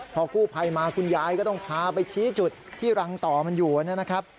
พอกู้ภัยมาคุณยายก็ต้องพาไปชี้จุดที่รังต่อมันอยู่นะครับ